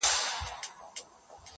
ژوند در ډالۍ دى تاته.